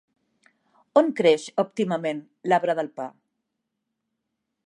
On creix òptimament l'arbre del pa?